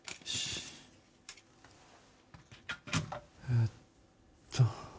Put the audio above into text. えっと。